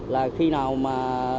là khi nào mà